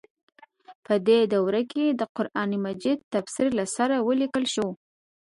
په دې دوره کې د قران مجید تفسیر له سره ولیکل شو.